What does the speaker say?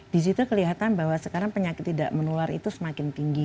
di situ kelihatan bahwa sekarang penyakit tidak menular itu semakin tinggi